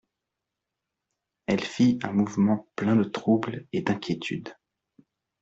Elle fit un mouvement plein de trouble et d'inquiétude.